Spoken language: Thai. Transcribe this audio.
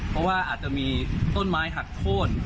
เพราะว่าอาจจะมีต้นไม้หักโค้น